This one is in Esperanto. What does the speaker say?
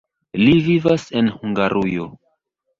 Li vivas en Hungarujo.